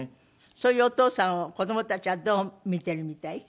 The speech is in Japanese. そういうお父さんを子どもたちはどう見てるみたい？